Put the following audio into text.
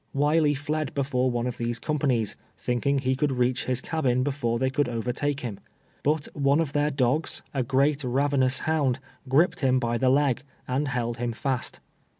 Wiley fled before one of these companies, thinking he could reach his cabin before they could overtake him ; but one of their dogs, a great ravenous hound, griped him by the leg, and held him fast.